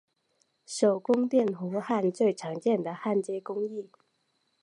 手工电弧焊最常见的焊接工艺。